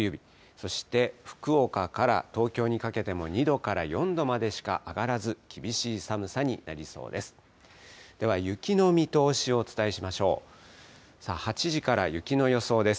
そして福岡から東京にかけても２度から４度までしか上がらず、厳しい寒さになりそうです。